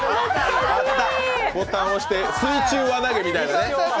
ボタンを押すと水中輪投げみたいなね。